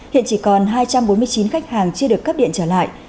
hiện chỉ còn hai trăm bốn mươi chín khách hàng chưa được cấp điện trở lại